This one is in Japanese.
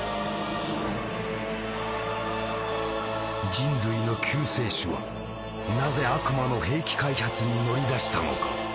人類の救世主はなぜ「悪魔の兵器」開発に乗り出したのか？